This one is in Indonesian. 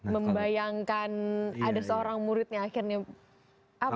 membayangkan ada seorang muridnya akhirnya apa